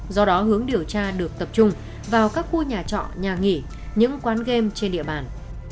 do đó hướng điều tra được tập trung vào các khu nhà trọ nhà nghỉ những quán game trên địa bàn